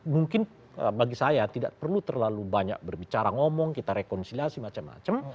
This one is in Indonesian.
mungkin bagi saya tidak perlu terlalu banyak berbicara ngomong kita rekonsiliasi macam macam